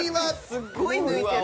すっごい抜いてる。